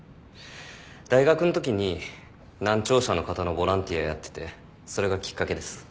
大学のときに難聴者の方のボランティアやっててそれがきっかけです。